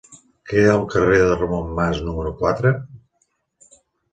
Què hi ha al carrer de Ramon Mas número quatre?